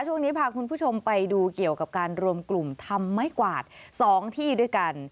ช่วงนี้พาคุณผู้ชมไปดูเกี่ยวกับการรวมกลุ่มทำไม้กวาด๒ที่ด้วยกัน